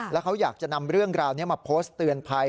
แล้วเขาอยากจะนำเรื่องราวนี้มาโพสต์เตือนภัย